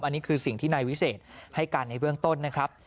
อันนี้คือสิ่งที่นายวิเศษให้การในเบื้องต้นนะครับ